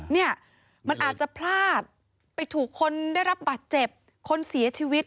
เนี่ยมันอาจจะพลาดไปถูกคนได้รับบาดเจ็บคนเสียชีวิต